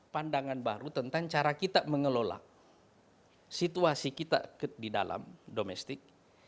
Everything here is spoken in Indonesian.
pandangan baru tentang cara kita mengelola situasi kita di dalam domestik